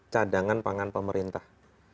cadangan pangan pemerintah